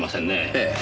ええ。